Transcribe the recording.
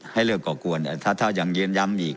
ให้เลิกก่อกวนถ้าอย่างนี้ย้ำอีก